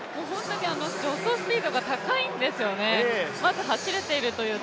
助走スピードが速いんですよね。